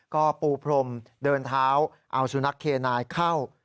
ก็ปูพรมเดินเท้าเอาสุนัขเคนายเข้า